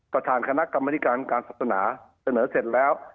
ประธานคณะกรรมนิการการศาสนาเสนอเสร็จแล้ว